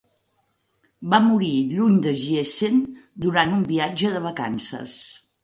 Va morir lluny de Giessen, durant un viatge de vacances.